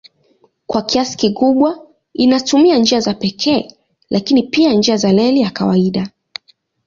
Kwa kiasi kikubwa inatumia njia za pekee lakini pia njia za reli ya kawaida.